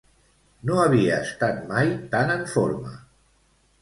No havia estat mai tan en forma!